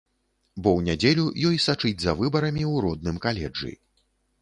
Бо ў нядзелю ёй сачыць за выбарамі ў родным каледжы.